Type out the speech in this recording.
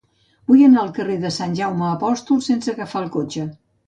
Vull anar al carrer de Sant Jaume Apòstol sense agafar el cotxe.